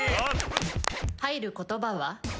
入る言葉は？